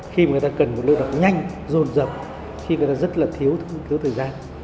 khi mà người ta cần một lối đọc nhanh rồn rập khi mà người ta rất là thiếu thời gian